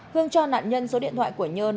hương cho nạn nhân số điện thoại của nhơn